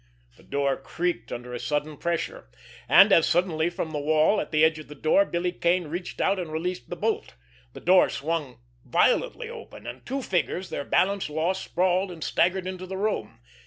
The door creaked under a sudden pressure; and as suddenly from the wall at the edge of the door, Billy Kane reached out and released the bolt. The door swung violently open, and two figures, their balance lost, sprawled and staggered into the room.